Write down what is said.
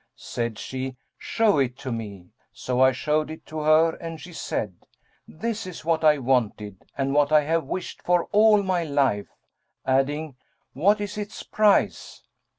Said she, Show it to me,' so I showed it to her, and she said, 'This is what I wanted and what I have wished for all my life;' adding, 'What is its price?'